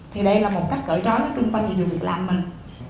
thì đây là một cách cởi trói trung tâm dịch vụ việc làm mình